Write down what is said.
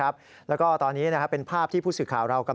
พระบุว่าจะมารับคนให้เดินทางเข้าไปในวัดพระธรรมกาลนะคะ